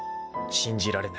［信じられない。